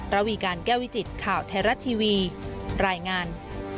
ระวีการแก้ววิจิตข่าวไทยรัฐทีวีรายงาน